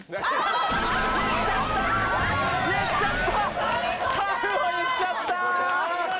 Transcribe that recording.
言っちゃった、タンを言っちゃった。